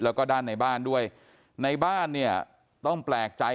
แล้วก็ด้านในบ้านด้วยในบ้านเนี่ยต้องแปลกใจ